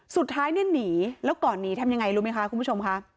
สุดท้ายเนี่ยหนีแล้วก่อนหนีทำยังไงรู้ไหมคะคุณผู้ชมค่ะ